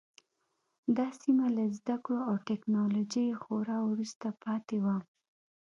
دا سیمه له زده کړو او ټکنالوژۍ خورا وروسته پاتې وه.